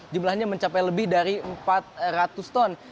jumlahnya mencapai lebih dari empat ratus ton